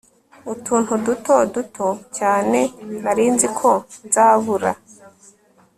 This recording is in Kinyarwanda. utuntu duto duto cyane nari nzi ko nzabura